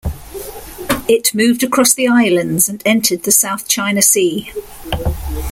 It moved across the islands and entered the South China Sea.